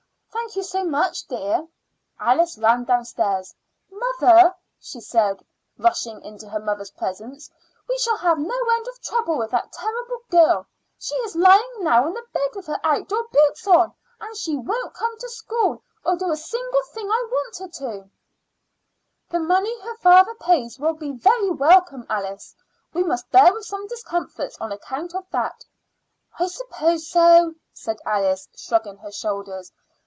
"Thank you so much, dear." Alice ran downstairs. "Mother," she said, rushing into her mother's presence, "we shall have no end of trouble with that terrible girl. She is lying now on the bed with her outdoor boots on, and she won't come to school, or do a single thing I want her to." "The money her father pays will be very welcome, Alice. We must bear with some discomforts on account of that." "I suppose so," said Alice, shrugging her shoulders.